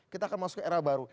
kita akan masuk ke era baru